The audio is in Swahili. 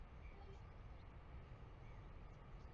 Wa demokrasia walitumia muda wao mwingi waliopewa kuzungumza